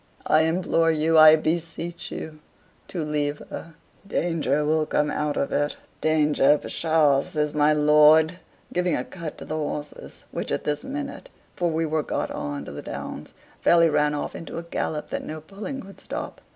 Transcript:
I implore you, I beseech you, to leave her. Danger will come out of it." "Danger, psha!" says my lord, giving a cut to the horses, which at this minute for we were got on to the Downs fairly ran off into a gallop that no pulling could stop.